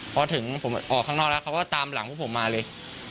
พอถึงผมออกข้างนอกแล้วเขาก็ตามหลังพวกผมมาเลย